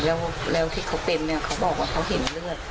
แล้วที่เขาเป็นเนี่ยเขาบอกว่าเขาเห็นเลือด